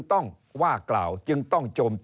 เริ่มตั้งแต่หาเสียงสมัครลง